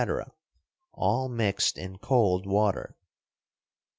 — all mixed in cold water.